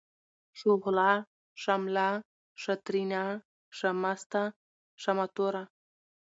شغله ، شمله ، شاترينه ، شامسته ، شامتوره ،